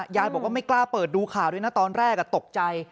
ยายบอกว่าไม่กล้าเปิดดูข่าวด้วยนะตอนแรกตกใจ